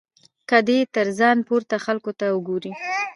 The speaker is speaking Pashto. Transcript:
که دی تر ځان پورته خلکو ته وګوري.